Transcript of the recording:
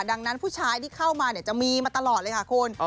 ดังนั้นผู้ชายที่เข้ามาจะมีมาตลอดเลยค่ะคุณ